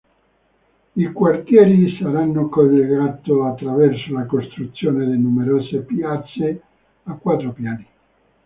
I quartieri saranno collegato attraverso la costruzione di numerose "piazze" a quattro piani.